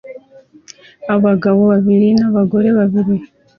Abagabo babiri n'abagore babiri